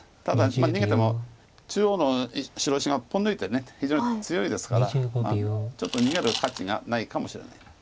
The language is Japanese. ただ逃げても中央の白石がポン抜いて非常に強いですからちょっと逃げる価値がないかもしれない。